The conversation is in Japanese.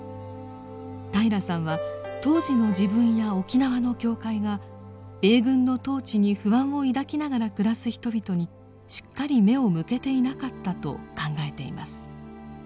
平良さんは当時の自分や沖縄の教会が米軍の統治に不安を抱きながら暮らす人々にしっかり目を向けていなかったと考えています。